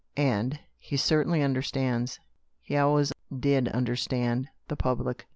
"And he certainly under stands — he always did understand — the public."